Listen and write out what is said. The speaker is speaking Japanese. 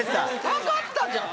わかったじゃん！